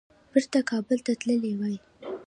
بیرته کابل ته تللي وای.